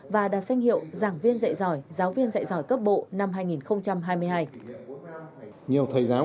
và đạt danh hiệu giảng viên dạy giỏi giáo viên dạy giỏi cấp bộ năm hai nghìn hai mươi hai